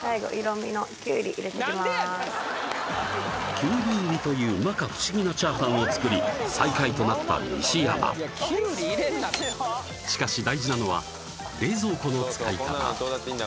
きゅうり入りというまか不思議なチャーハンを作り最下位となった西山きゅうり入れんなってしかし大事なのは冷蔵庫の使い方